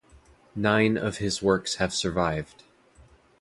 Nine of his works have survived.